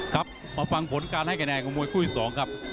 การให้กระแนนของมวยคู่อีก๒ครับ